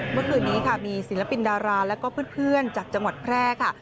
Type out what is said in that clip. เมื่อคืนนี้ค่ะมีศิลปินดาราแล้วก็เพื่อนจากจังหวัดแพร่ค่ะ